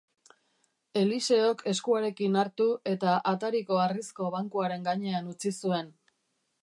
Eliseok eskuarekin hartu eta atariko harrizko bankuaren gainean utzi zuen.